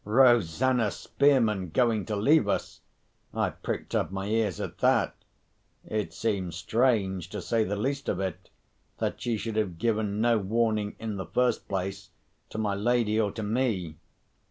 Rosanna Spearman going to leave us! I pricked up my ears at that. It seemed strange, to say the least of it, that she should have given no warning, in the first place, to my lady or to me.